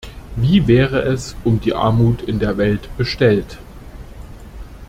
Wie wäre es um die Armut in der Welt bestellt?